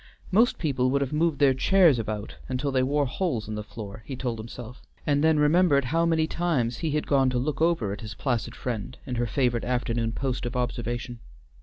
"Most people would have moved their chairs about until they wore holes in the floor," he told himself, and then remembered how many times he had gone to look over at his placid friend, in her favorite afternoon post of observation.